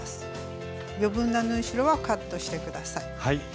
余分な縫い代はカットして下さい。